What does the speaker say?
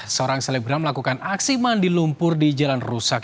seorang selebgram melakukan aksi mandi lumpur di jalan rusak